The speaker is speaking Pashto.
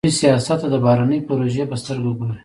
دوی سیاست د بهرنیو د پروژې په سترګه ګوري.